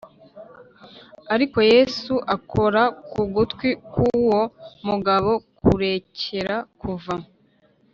Ariko Yesu akora ku gutwi k’ uwo mugabo kurecyera kuva